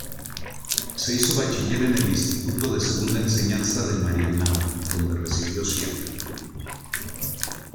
Se hizo bachiller en el Instituto de Segunda Enseñanza de Marianao, donde residió siempre.